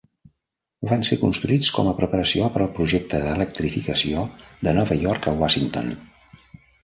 Van ser construïts com a preparació per al projecte d'electrificació de Nova York a Washington.